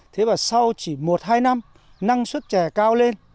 thế và sau chỉ một hai năm năng suất trẻ cao lên